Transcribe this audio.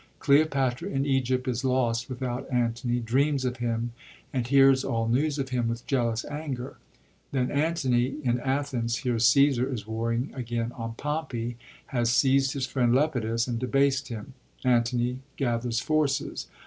Cleopatra in Egypt is lost without Antony, dreams of him, and hears all news of him with jealous anger. Then Antony, in Athens, hears Caesar is warring again on Pompey, has seizd his friend Lepidus and debased him. Antony gathers forces.